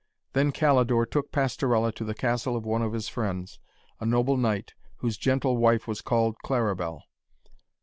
Then Calidore took Pastorella to the castle of one of his friends, a noble knight, whose gentle wife was called Claribel.